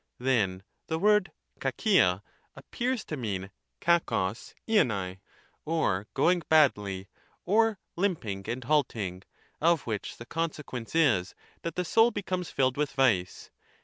Then the word KaKia appears to mean KUKcJg Itvai, or going badly, or hmp ing and halting ; of which the consequence is, that the soul becomes filled with vice.